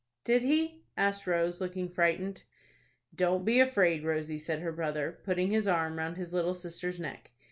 "Did he?" asked Rose, looking frightened. "Don't be afraid, Rosie," said her brother, putting his arm round his little sister's neck.